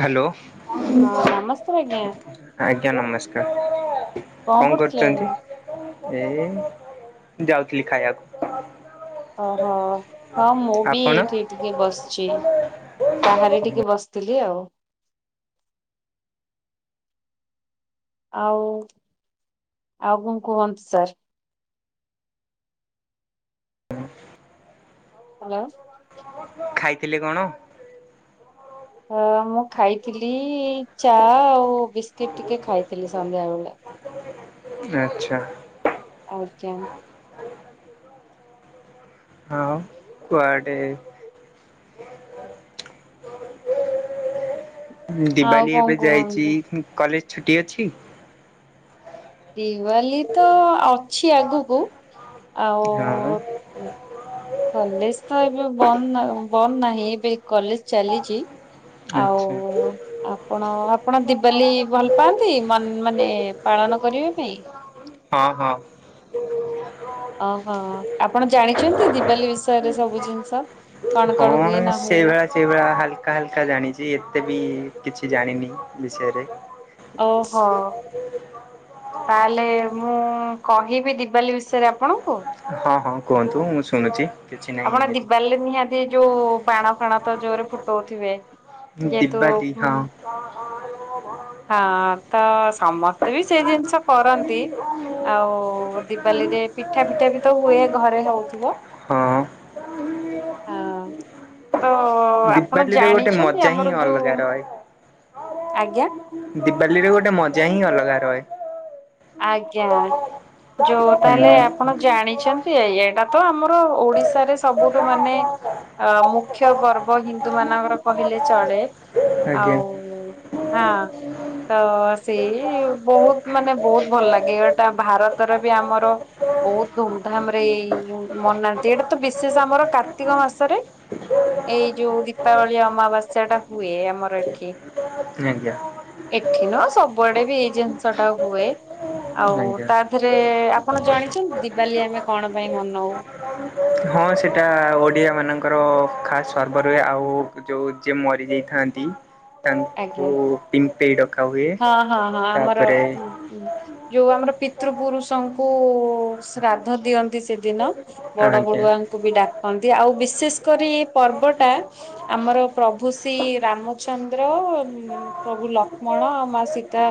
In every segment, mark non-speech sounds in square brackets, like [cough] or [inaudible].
Hello. ହଁ ନମସ୍କାର ଆଜ୍ଞା ଆଜ୍ଞା ନମସ୍କାର କଣ କରୁଥିଲେ କରୁଛନ୍ତି? ଆଜ୍ଞା? ଏ ଯାଉଥିଲି ଖାଇବାକୁ। ଓହୋ ହଁ ମୁଁ ବି ଆପଣ ଏଇଠି ଟିକେ ବସିଛି। ବାହାରେ ଟିକେ ବସିଥିଲି ଆଉ ଆଉ କଣ କୁହନ୍ତୁ ସାର୍? ହ୍ୟାଲୋ। ଖାଇଥିଲେ କଣ? ଅ ମୁଁ ଖାଇଥିଲି ଚା ଆଉ ବିସ୍କୁିଟ ଟିକେ ଖାଇଥିଲି ସନ୍ଧ୍ୟାବେଳେ ଆଛା। ଆଛା। ହଁ କୁଆଡ଼େ? ଆଉ ଦିବାଲି କଣ ଏବେ ଯାଇଛି କୁହନ୍ତୁ? କଲେଜ ଛୁଟି ଅଛି। ଦିୱାଲୀ ତ ଅଛି ଆଗକୁ ଆଉ ହଁ କଲେଜ ତ ଏବେ ବନ୍ଦ ବନ୍ଦ ନାହିଁ ଏବେ କଲେଜ ଚାଲିଛି। [inaudible] ଆଉ ଆପଣ ଆପଣ ଦିବାଲି ଭଲ ପାଆନ୍ତି ମନ ମାନେ ପାଳନ କରିବା ପାଇଁ? ହଁ ହଁ। ଓହୋ ଆପଣ ଜାଣିଛନ୍ତି ଦିବାଲି ବିଷୟରେ ସବୁ ଜିନିଷ? କଣ ହଁ କଣ ହୁଏ ନ ହୁଏ? ସେଇଭଳି ସେଇଭଳି ହାଲକା ହାଲକା ଜାଣିଛି ଏତେ ବି କିଛି ଜାଣିନି ବିଷୟରେ। ଓହୋ। ତାହେଲେ ମୁଁ କହିବି ଦିିବାଲି ବିଷୟରେ ଆପଣଙ୍କୁ? ହଁ ହଁ କୁହନ୍ତୁ ମୁଁ ଶୁଣୁଛି। କିଛି ନାହିଁ ଆପଣ ଏମିତି ଦିବାଲ ନିହାତି ଯୋଉଁ ବାଣ ଫାଣ ତ ଜୋରେ ଫୁଟଉଥିବେ? ଯେହେତୁ ଦିିବାଲି ହଁ ଉଁ ହଁ ତ ସମସ୍ତ ସେଇ ଜିନିଷ କରନ୍ତି ଆଉ ଦିପଲିୀରେ ପିଠା ପିଠା ବି ତ ହୁଏ ଘରେ ହଉଥିବ ହଁ ହଁ। ତ ଆପଣ ଦିିବାଲିରେ ଗୋଟେ ଜାଣିଛନ୍ତି ମଜା ହିଁ ଆମର ଯୋଉଁ ଅଲଗା ରହେ ଆଜ୍ଞା। ଦିିବାଲିରେ ଗୋଟେ ମଜା ହିଁ ଅଲଗା ରହେ। ଆଜ୍ଞା ଯୋଉଁ ତାହେଲେ ହୁଁ। ଆପଣ ଜାଣିଛନ୍ତି ଏଇଟା ତ ଆମର ଓ ଓଡିଶାରେ ସବୁଠୁ ମାନେ ଅ ମୁଖ୍ୟ ପର୍ବ ହିନ୍ଦୁ ମାନଙ୍କର କହିଲେ ଚଳେ। ଆଜ୍ଞା ଆଉ ହଁ ତ ସେ ବହୁତ ମାନେ ବହୁତ ଭଲ ଲାଗେ ଏଟା ଭାରତରେ ବି ଆମର ବହୁତ ଧୁମଧାମ ରେ ମନାନ୍ତି ଏଇଟା ତ ବିଶେଷ ଆମର କାର୍ତ୍ତିକ ମାସରେ ଏଇ ଯୋଉଁ ଦୀପାବଳି ଅମାବାସ୍ୟା ଟା ହୁଏ ଆମର ଏଠି। ଆଜ୍ଞା। ଏଠି ନୁହଁ ସବୁଆଡେ ବି ଏଇ ଜିନିଷ ଟା ହୁଏ। ଆଉ ଆଜ୍ଞା। ତାଥରେ ଆପଣ ଜାଣିଛନ୍ତି ଦିିବାଲି ଆମେ କଣ ପାଇଁ ମନଉ? [inaudible] ହଁ ସେଇଟା ଓଡିଆ ମାନଙ୍କର ଖାସ୍ ସର୍ବ ରୁହେ । ଆଉ ଯୋଉଁ ଯିଏ ମରିଯାଇଥାନ୍ତି ତାଙ୍କୁ ଆଜ୍ଞା ପିମ୍ପେଇ ଡକା ହୁଏ ହଁ ହଁ ହଁ ଆମର ତାପରେ ଯୋଉଁ ଆମର ପି ପିତୃପୁରୁଷଙ୍କୁ ଶ୍ରାଦ୍ଧ ଦିଅନ୍ତି। ସେଦିନ ବଡ ଆଜ୍ଞା। ବଡୁଆଙ୍କୁ ବି ଡା କହନ୍ତି ଆଉ ବିଶେଷ କରି ପର୍ବଟା ଆମର ପ୍ରଭୁ ଶ୍ରୀ ରାମଚନ୍ଦ୍ର [unintelligible] ପ୍ରଭୁ ଲକ୍ଷ୍ମଣ ଆ ମା ସୀତା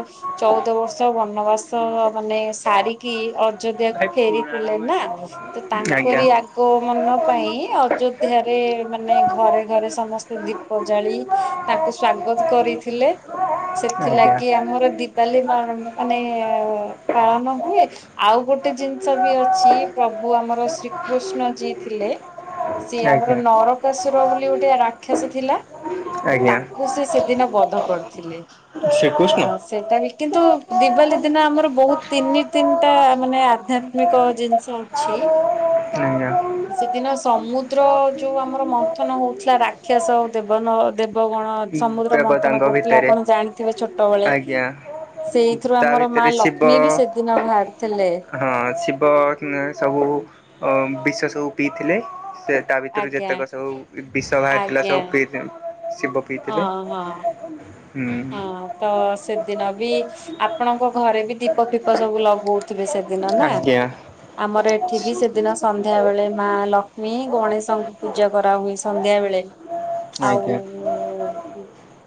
ଚଉଦ ବର୍ଷ ବନବାସ ମାନେ ସାରିକି ଅଯୋଧ୍ୟା କ ଆଜ୍ଞା। ଫେରିଥିଲେ ନା ତ ଆଜ୍ଞା ତାଙ୍କରି ଆଗ ତାଙ୍କ ମାନଙ୍କ ପାଇଁ ଅଯୋଧ୍ୟରେ ମାନେ ଘରେ ଘରେ ସମସ୍ତେ ଦୀପ ଜାଳି ତା ସ୍ଵାଗତ କରିଥିଲେ। ଆଜ୍ଞା ସେଥିଲାଗି ଆମର ଦିବାଲି ମାନେ ପାଳନ ହୁଏ ଆଉ ଗୋଟେ ଗୋଟେ ଜିନିଷ ବି ଅଛି ପ୍ରଭୁ ଆମର ଶ୍ରୀକୃଷ୍ଣ ଯିଏ ଥିଲେ ସିଏ ଆମର ନରକାସୁର ବୋଲି ଗୋଟେ ରାକ୍ଷସ ଥିଲା ତ ଆଜ୍ଞା। ତାକୁ ସେ ସେଦିନ ବଧ କରିଥିଲେ। ଆ ଶ୍ରୀକୃଷ୍ଣ? ସେଇଟା ବି କିନ୍ତୁ ଦିିବାଲି ଦିନ ଆମର ବହୁତ ତିନି ତିନିଟା ମାନେ ଆଧ୍ୟାତ୍ମିକ ଜିନିଷ ଅଛି। ଆଜ୍ଞା। ସେଦିନ ସମୁଦ୍ର ଯୋଉଁ ଆମର ମନ୍ଥନ ହଉଥିଲା ରାକ୍ଷସ ଆଉ ଦେବନ ଦେବଗଣ ସମୁଦ୍ର ମନ୍ଥନ ଦେବତାଙ୍କ କରୁଥିଲେ ଭିତରେ ଆପଣ ଜାଣିଥିବେ ଛୋଟବେଳେ ଆଜ୍ଞା। ସେଇଥିରୁ ତା ଆମର ମା ଭିତରେ ଶିବ ଲକ୍ଷ୍ମୀ ବି ସେଦିନ ବାହାରିଥିଲେ। ହଁ ଶିବ ସବୁ ବୋ ଅ ବିଷ ସବୁ ପିଇଥିଲେ ସେ ତା ଭିତରୁ ଆଜ୍ଞା ଯେତେକ ସବୁ ବିଷ ବାହାରି ଥିଲା ଆଜ୍ଞା ସବୁ ପିଇ ଶିବ ପିଇଥିଲେ। ହଁ ହୁଁ ହଁ ତ ସେ ଦିିନ ବି ଆପଣଙ୍କ ଘରେ ବି ଦୀପ ଫିପ ସବୁ ଲଗଉଥିବେ ସେ ଦିନ ନା ଆଜ୍ଞା ଆମର ଏ ଥିବୀ ସେଦିନ ସନ୍ଧ୍ୟା ବେଳେ ମା ଲକ୍ଷ୍ମୀ ଗଣେଶଙ୍କୁ ପୂଜା କରାହୁଏ ସନ୍ଧ୍ୟା ବେଳେ ଆଉ ଆଜ୍ଞା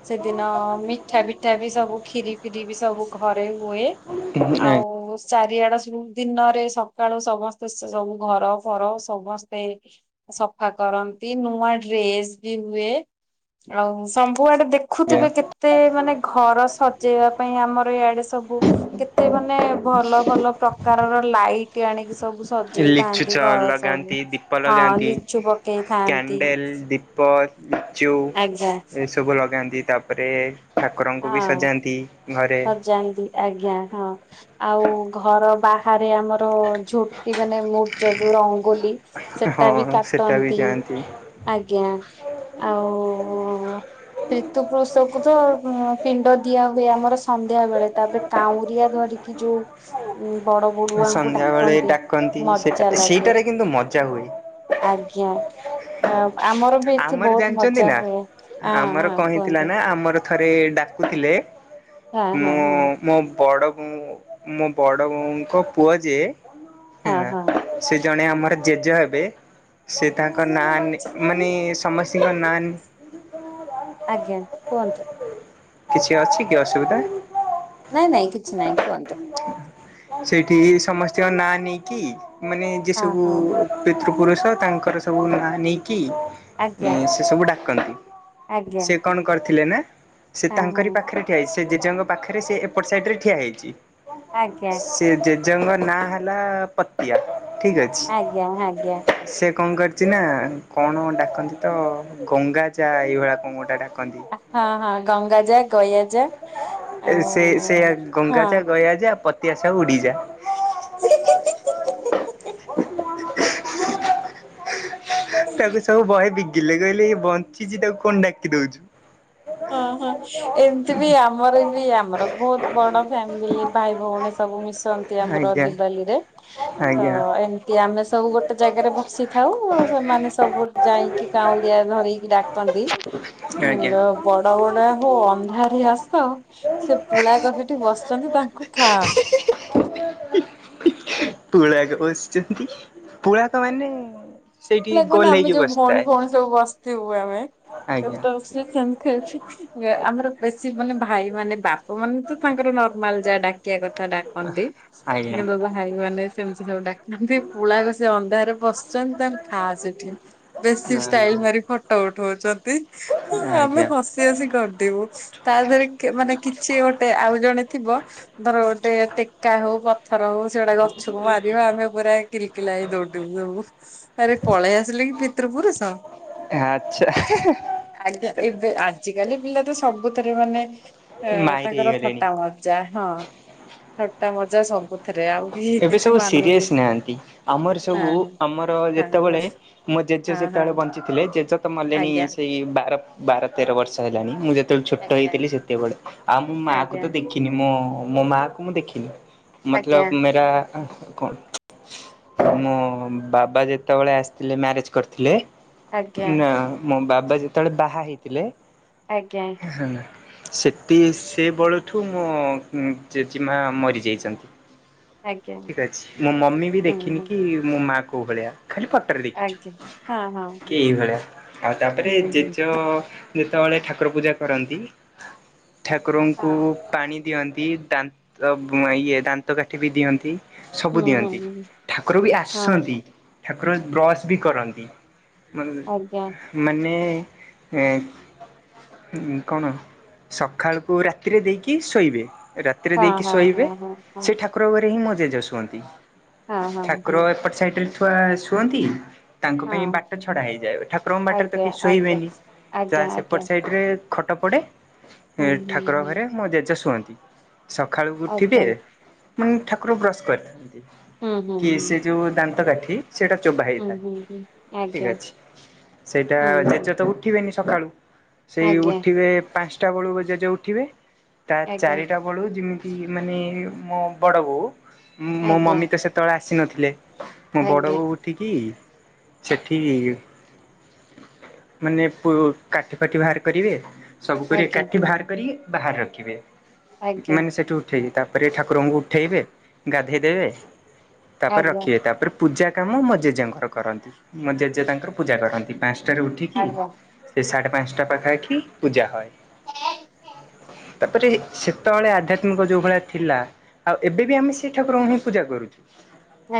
ସେଦିନ ମିଠା ବିଠା ବି ସବୁ କ୍ଷୀରି ଫିରି ବି ସବୁ ଘରେ ହୁଏ ଆଉ ଆଜ୍ଞା ଚାରିଆଡ ଦିନରେ ସକାଳୁ ସମସ୍ତେ ସବୁ ଘର ଫର ସମସ୍ତେ ସଫା କରନ୍ତି ନୂଆ ଡ୍ରେସ ବି ହୁଏ। ଆଉ ସବୁଆଡ଼େ ଦେଖୁଥିବେ କେତେ କେତେ ମାନେ ଘର ସଜେଇବା ପାଇଁ ଆମର ଇଆଡେ ସବୁ କେତେ ମାନେ ଭଲ ଭଲ ପ୍ରକାରର ଲାଇଟ୍ ଆଣିକି ସବୁ ଲିଚୁ ସଜେଇଥାନ୍ତି ଚ ଘର ସବୁ ଲଗାନ୍ତି ଦୀପ ହଁ ଲଗାନ୍ତି ଲିଚୁ ପକେଇଥାନ୍ତି। କ୍ୟାଣ୍ଡେଲ ଦୀପ ଲିଚୁ ଆଜ୍ଞା ଏସବୁ ଲଗାନ୍ତି ତାପରେ ଠାକୁରଙ୍କୁ ବି ସଜାନ୍ତି। ଘରେ ଜାଣନ୍ତି ଆଜ୍ଞା ହଁ। ଆଉ ଘର ବାହାରେ ଆମର ଝୋଟି ମାନେ ମୁର୍ଜ ଯୋଉଁ ରଙ୍ଗୋଲି ହଁ ସେଟା ବି ସେଟା ବି କାଟନ୍ତି ଯାଆନ୍ତି ଆଜ୍ଞା। ଆଉ ପିତୃ ପୁରୁଷକୁ ତ ପିଣ୍ଡ ଦିଆ ହୁଏ ଆମର ସନ୍ଧ୍ୟା ବେଳେ ତାପରେ କାଉଁରିଆ ଧରିକି ଯୋଉଁ ବଡ ବଡୁଆଙ୍କୁ ସନ୍ଧ୍ୟାବେଳେ ଡାକନ୍ତି ଡାକନ୍ତି ସେଟା ମଜା ଲାଗେ ସେଇଟାରେ କିନ୍ତୁ ମଜା ହୁଏ ଆ ଜ୍ଞା। ଆମର ବି ଏଠି ଆମର ବହୁତ ଜାଣିଛନ୍ତି ମଜା ନା ହୁଏ ହଁ ଆମର ହଁ କଣ ହେଇଥିଲା କୁହନ୍ତୁ। ନା ଆମର ଥରେ ଡାକୁଥିଲେ ହଁ ହଁ ମୁଁ ହଁ ମୋ ବଡ ମୁଁ ମୋ ବଉଙ୍କ ପୁଅ ଯେ ହେଲା ହଁ ସେ ଜଣେ ଆମର ଜେଜେ ହେବେ ସେ ତାଙ୍କ ନାଁ ହଁ। ନେ ମାନେ ସେ ନାନ ଆଜ୍ଞା କୁହନ୍ତୁ। କିଛି ଅଛି କି ଅସୁବିଧା? ନାଇଁ ନାଇଁ କିଛି ନାଇଁ କୁହନ୍ତୁ। ସେଇଠି ସମସ୍ତଙ୍କ ନାଁ ନେଇକି ମାନେ ଯିଏ ହଁ ସବୁ ହଁ ହଁ ପିତୃ ପୁରୁଷ ତାଙ୍କର ସବୁ ନା ନେଇକି ଆଜ୍ଞା ସେ ସବୁ ଡାକନ୍ତି ଆଜ୍ଞା ସେ କଣ କର ଥିଲେ ନା ସେ ହଁ ତାଙ୍କରି ହଁ ପାଖରେ ଠିଆ ହେଇଛି ସେ ଜେଜେଙ୍କ ପାଖରେ ସେ ଏପଟ ସାଇଡ ରେ ଠିଆ ହେଇଛି ଆଜ୍ଞା। ସେ ଜେଜେଙ୍କ ନାଁ ହେଲା ପତିଆ। ଠିକ ଅଛି ଆଜ୍ଞା ଆଜ୍ଞା । ସେ କଣ କରିଛି ନା କଣ ଡାକନ୍ତି ତ ଗଙ୍ଗା ଯା ଏଇଭଳି କଣ ଗୋଟେ ଡାକନ୍ତି। ହଁ ହଁ ଗଙ୍ଗା ଯା ଗୟା ଯା ସେ ଆଉ ସେ ଗଙ୍ଗା ହଁ। ଯା ଗୟା ଯା ପତିଆସାଉ ଉଡିଯା। ହି ହି଼ ହିଁ ହିଁ [inaudible] ତାକୁ ସବୁ ବହେ ବିଗିଲେ କହିଲେ ବଞ୍ଚିଛି ତାକୁ କଣ ଡାକି ଦଉଛୁ। ହଁ ହଁ ଏମିତି ବି ଆମର ବି ଆମର ବହୁତ ବଡ ଫ୍ୟାମିଲି ଭାଇ ଭଉ ଉଣି ସବୁ ମିଶନ୍ତି ଆମର ଆଜ୍ଞା ଦିିବାଲିରେ ତ ଆଜ୍ଞା ଏମତି ଆମେ ସବୁ ଗୋଟେ ଜାଗାରେ ବସ୍ ସିଥାଉ ଆଉ ସେମାନେ ସବୁ ଯାଇକି କାଉଁଳିଆ ଧରିକି ଡାକନ୍ତି ଆଜ୍ଞା ବଡ ବଡୁଆ ହୋ ଅନ୍ଧାରି ଆସ ସେ ପୁଳାକ ସେଠି ବସିଛନ୍ତି ତାଙ୍କୁ ଖା। ପୁଳାକ ବସିଛନ୍ତି ପୁଳାକ ମାନେ ସେଇଠି ଗୋଲ ଆମେ ହେଇକି ଯୋଉଁ ଭଉଣୀ ବସିଥାଏ ଭଉଣୀ ସବୁ ବସିଥିବୁ ଆମେ ଆଜ୍ଞା ସେଠାକୁ ସେମ ଆମର ବେଶୀ ମାନେ ଭାଇ ମାନେ ବାପା ମାନେ ତ ତାଙ୍କର ନର୍ମାଲ ଯାହା ଡାକିଆ କଥା ତା ଡାକନ୍ତି ଆଜ୍ଞା। କିନ୍ତୁ ଭାଇ ମାନେ ସେମିତି ସବୁ ଡାକନ୍ତି ପୁଳାକ ସେ ଅନ୍ଧାରରେ ବସିଛନ୍ତି ତାଙ୍କ ଖା ସେଠି ବେଶୀ ଷ୍ଟାଇଲ ମାରି ଫଟୋ ଉଠଉଛନ୍ତି ଆମେ ଆଜ୍ଞା ହସି ହସି ଗ ଗଡ଼ିବୁ ତା ଦେହରେ ମାନେ କିଛି ଗୋଟେ ଆଉ ଜଣେ ଥିବ ଧର ଗୋଟେ ଟେକା ହଉ ପଥ ଥର ହଉ ସେଗୁଟା ଗଛକୁ ମାରିବ ଆମେ ପୁରା କିଲିକିଲା ଦଉଡିବୁ ସବୁ ଆରେ ପଳେଇ ଆସିଲେ କି ପିତୃପୁରୁଷ ଆଚ୍ଛା ଆଜ୍ଞା। ଏବେ ଆଜିକାଲି ପିଲା ତ ସବୁଥରେ ମାନେ ଏ ମାହିର ତାଙ୍କର ହେଇଗଲେଣି ଥଟା ମଜା ହଁ ଥଟା ମଜା ସବୁ ଏବେ ସବୁ ସିରିଅସ ନାହାନ୍ତି ଆମର ନା ସବୁ ନା। ଆମର ଯେ ହଁ ହଁ ଯେତେବେଳେ ମୋ ଜେଜେ ହଁ ଯେତେବେଳେ ହଁ ବଞ୍ଚିଥିଲେ ଜେଜେ ତ ମଲେଣି ଆଜ୍ଞା ସେଇ ବା ର ବାର ତେର ବର୍ଷ ହେଲାନି ମୁଁ ଯେ ତେବେଳେ ଛୋଟ ଆଜ୍ଞା ହେଇଥିଲି ସେତେବେଳେ ଆଉ ମୁଁ ମାକୁ ଆଜ୍ଞା ତ ଦେଖିନି ମୁଁ ମୋ ମା କୁ ମୁଁ ଦେଖିନି। ଆଜ୍ଞା। ଆ କଣ ଖ କ ମୋ ବାବା ଯେତେବେଳେ ଆସିଥିଲେ ମ୍ୟାରେଜ କରିଥିଲେ। ଆଜ୍ଞା। ନା ମୋ ବାବା ଯେତେବେଳେ ବାହା ହେଇଥିଲେ। ଆଜ୍ଞା। ସେଠି ସେ ବେଳଠୁ ମୋ ଜେଜେମା ମରିଯାଇଛନ୍ତି। ଆଜ୍ଞା ଠିକ ଅଛି ମୁଁ ମମି ବି ହୁଁ ଦେଖିନି ହୁଁ କି ମୋ ମା କୋଉଁ ଭଳିଆ। ଖାଲି ପଟରେ ଦେଖିଛୁ ଆଜ୍ଞା ହଁ ହଁ କି ଏଭଳିଆ ଆଉ ତାପରେ ହଁ ହୁଁ ହୁଁ। ଜେଜ ଯେତେବେଳେ ଠାକୁର ପୂଜା କରନ୍ତି ଠାକୁରଙ୍କୁ ହଁ ପାଣି ଦିଅନ୍ତି। ଦାନ୍ତ ଇଏ ଦାନ୍ତ କାଠି ବି ଦିଅନ୍ତି। ସବୁ ହୁଁ ହୁଁ ଦିଅନ୍ତି ହୁଁ ଠାକୁର ବି ହଁ ଆସନ୍ତି ଠାକୁର ବ୍ରଶ ବି କରନ୍ତି। ମ ଆଜ୍ଞା ମାନେ ଏଁ ହୁଁ କଣ ସକାଳକୁ ରାତିରେ ଦେଇକି ଶୋଇବେ। ରାତିରେ ହଁ ଦେଇକି ହଁ ଶୋଇବେ। ହଁ ହଁ ହଁ। ସେ ଠାକୁର ଘରେ ହିଁ ଜେଜ ଶୁଅନ୍ତି ହଁ ହଁ ଠାକୁର ହଁ ଏପଟ ସାଇଟ ରେ ଶୁଅନ୍ତି। ତାଙ୍କ ହଁ ପାଇଁ ବାଟ ଛଡା ହେଇଯାଏ ଠାକୁରଙ୍କ ବାଟରେ ତ ଆଜ୍ଞା କି ଆଜ୍ଞା ଶୋଇବେନି ଆଜ୍ଞା ଯାହା ସେପଟ ଆଜ୍ଞା। ସାଇଡରେ ଖଟ ପଡ଼େ ହୁଁ ହୁଁ ଠାକୁର ହୁଁ ଘରେ ମୋ ଜେଜ ଶୁଅନ୍ତି ସକାଳୁ ଆଜ୍ଞା ଉଠିବେ ମାନେ ଠାକୁର ବ୍ରଶ କରିଥାନ୍ତି ହୁଁ ହୁଁ କି ହୁଁ ସେ ଯୋଉଁ ଦାନ୍ତ କାଠି ସେଇଟା ଚୋବା ହୁଁ ହୁଁ ହୁଁ ହେଇଥାଏ ଆଜ୍ଞା। ଠିକ ଅଛି ସେଇଟା ହୁଁ ହୁଁ ଜେଜ ତ ଉଠିବେନି। ସକାଳୁ ସେଇ ଆଜ୍ଞା ଉଠିବେ ପାଞ୍ଚଟା ବେଳୁ ଜେଜ ଉଠିବେ ତା ଆଜ୍ଞା ଚାରିଟା ବେଳୁ ଯେମିତି ମାନେ ମୋ ବଡ ବୋଉ ମୋ ଆଜ୍ଞା ମମି ତ ସେତେବେଳେ ଆସି ନଥିଲେ ମୋ ଆଜ୍ଞା ବଡ଼ବୋଉ ଉଠିକି। ସେଠି ମାନେ କାଠି ଫାଠି ବାହାର କରିବେ। ସବୁ କରିବେ ଆଜ୍ଞା କାଠି ବାହାର କରି ବାହାର ରଖିବେ ଆଜ୍ଞା। ମାନେ ସେଠୁ ଉଠେଇକି ତାପରେ ଠା ଠାକୁରଙ୍କୁ ଉଠେଇବେ ଗାଧେଇ ଦେବେ ତାପରେ ଆଜ୍ଞା ରଖିବେ ତାପରେ ପୂଜା କାମ ମୋ ଜେଜେଙ୍କର କରନ୍ତି ମୋ ଜେଜେ ତାଙ୍କର ପୂଜା କରନ୍ତି ପାଞ୍ଚଟାରେ ଉଠିକି ଆଜ୍ଞା ସେ ପାଞ୍ଚଟା ପାଖା ଆଖି ପୂଜା ହଏ। ତାପରେ ସେତେବେଳେ ଆଧ୍ୟାତ୍ମିକ ଯୋଉଁ ଭଳିଆ ଥିଲା ଆଉ ଏବେ ବି ଆମେ ସେଇ ଠାକୁରଙ୍କୁ ହିଁ ପୂଜା କରୁଛୁ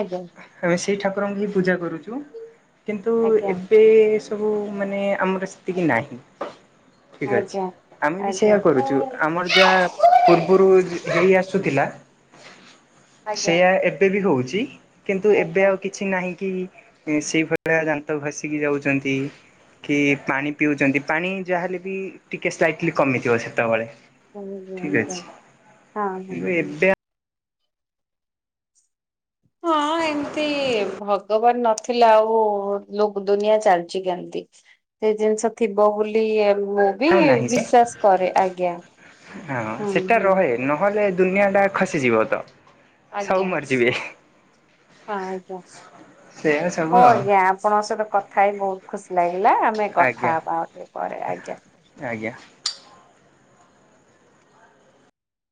ଆଜ୍ଞା ଆମେ ସେଇ ଠାକୁର ପୂଜା କରୁଛୁ କିନ୍ତୁ ଆଜ୍ଞା ଏବେ ସବୁ ମାନେ ଆମର ସେତିକି ନାହିଁ। ଠିକ୍ ଅଛି। ଆଜ୍ଞା। ଆମେ ବି ଆଜ୍ଞା ସେଇୟା କରୁଛୁ ଆଜ୍ଞା ଆମର ଯାହା ପୂର୍ବରୁ ହେଇ ଆସୁଥିଲା ଆଜ୍ଞା ସେୟା ଏବେ ବି ହଉଛି କିନ୍ତୁ ଏବେ ଆଜ୍ଞା ଆଉ ଆଜ୍ଞା କିଛି ନାହିଁ କି ସେଇ ଭଳିଆ ଦାନ୍ତ ଘଷିକି ଯାଉଛନ୍ତି। କି ପାଣି ପିଉଛନ୍ତି ପାଣି ଯାହାହେଲେ ବି ଟିକେ ସ୍ଲାଇଟିଲି କମିଥିବ ସେତେବେଳେ ଆଜ୍ଞା ଠିକ୍ ଆଜ୍ଞା ଅଛି ଆଜ୍ଞା କିନ୍ତୁ ହଁ ହଁ ହଁ। ଏବେ ହଁ ଏମତି ଭଗବାନ ନଥିଲା ଆଉ ଲୋ ଦୁନିଆ ଚାଲିଛି କେମତି। ସେ ଜିନିଷ ଥିବ ବୋଲି ମୁଁ ବି ଆଉ ନାହିଁ ସେ ବିଶ୍ଵାସ କରେ ଆଜ୍ଞା। ହଁ ହୁଁ ସେଟା ହୁଁ ରହେ ନହେଲେ ଦୁନିଆ ଟା ଖସିଯିବ ତ। ସବୁ ଆଜ୍ଞା ମରିଯିବେ। ହଁ ଆଜ୍ଞା ସେଇଆ ସବୁ ହଉ ଆଉ ଆଜ୍ଞା ଆପଣଙ୍କ ସହିତ କଥା ହେଇ ବହୁତ ଖୁସି ହେଲା ଆମେ କଥା ଆଜ୍ଞା ହବା ଆଉ ଟିକେ ପରେ ଆଜ୍ଞା। ଆଜ୍ଞା।